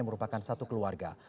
yang merupakan satu keluarga